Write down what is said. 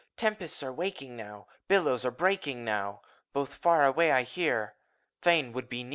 Temp^aiA are waking nov. Billows are breaking now : Both far away I heart Fain would be near.